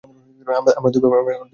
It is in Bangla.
আমরা দুই ভাবে এর সমাধানে যেতে পারি।